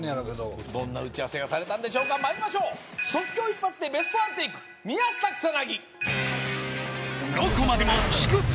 どんな打ち合わせがされたんでしょうかまいりましょう即興一発でベストワンテイク宮下草薙